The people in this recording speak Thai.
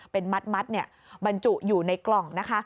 เป็นมัดบรรจุอยู่ในกล่องนะคะ